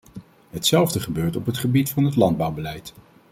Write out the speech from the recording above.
Hetzelfde gebeurt op het gebied van het landbouwbeleid.